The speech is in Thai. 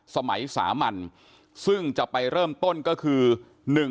สมัยสามัญซึ่งจะไปเริ่มต้นก็คือ